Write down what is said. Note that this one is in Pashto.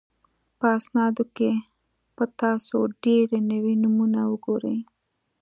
په اسنادو کې به تاسو ډېر نوي نومونه وګورئ.